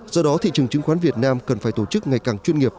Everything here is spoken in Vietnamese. do đó thị trường chứng khoán việt nam cần phải tổ chức ngày càng chuyên nghiệp